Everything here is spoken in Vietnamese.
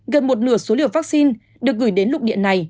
gần một nửa số liều vaccine được gửi đến lục địa này